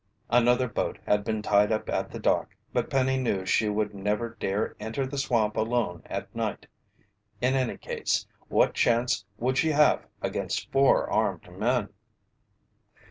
Another boat had been tied up at the dock, but Penny knew she never would dare enter the swamp alone at night. In any case, what chance would she have against four armed men?